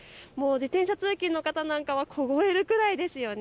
自転車通勤の方は凍えるくらいですよね。